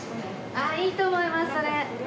あっいいと思いますそれ。